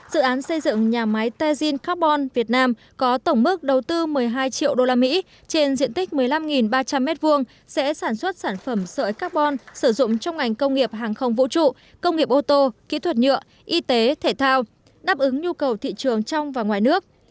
dự án xây dựng nhà máy tejin carbon việt nam có tổng mức đầu tư một mươi hai triệu usd trên diện tích một mươi năm ba trăm linh m hai sẽ sản xuất sản phẩm sợi carbon sử dụng trong ngành công nghiệp hàng không vũ trụ công nghiệp ô tô kỹ thuật nhựa y tế thể thao đáp ứng nhu cầu thị trường trong và ngoài nước